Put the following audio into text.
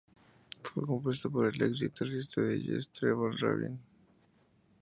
Fue compuesta por el ex guitarrista de Yes, Trevor Rabin.